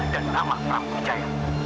dan nama pramu jaya